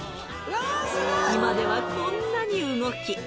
今ではこんなに動き。